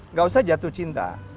nggak usah jatuh cinta